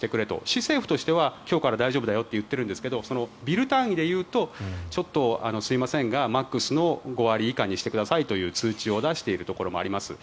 市政府としては今日から大丈夫だと言っているんですがビル単位でいうとちょっとすいませんがマックスの５割以下にしてくださいという通知を出しているところもあります。